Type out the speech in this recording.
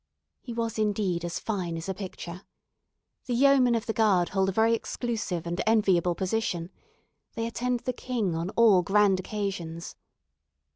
He was indeed as fine as a picture. The "Yeomen of the Guard" hold a very exclusive and enviable position. They attend the king on all grand occasions.